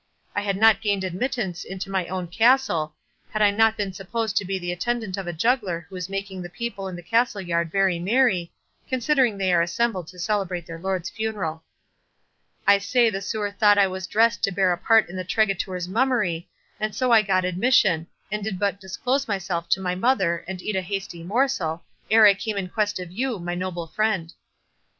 I had not gained admittance into my own castle, had I not been supposed to be the attendant of a juggler who is making the people in the castle yard very merry, considering they are assembled to celebrate their lord's funeral—I say the sewer thought I was dressed to bear a part in the tregetour's mummery, and so I got admission, and did but disclose myself to my mother, and eat a hasty morsel, ere I came in quest of you, my noble friend."